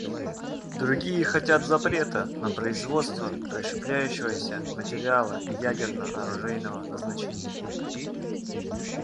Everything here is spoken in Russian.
Другие хотят запрета на производство расщепляющегося материала ядерно-оружейного назначения.